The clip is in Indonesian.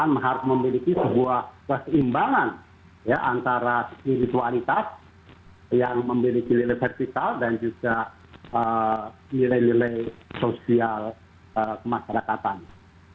sebuah keseimbangan antara spiritualitas yang memiliki nilai vertikal dan juga nilai nilai sosial masyarakatannya